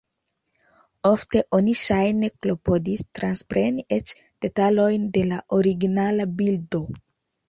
Ofte oni ŝajne klopodis transpreni eĉ detalojn de la originala bildo.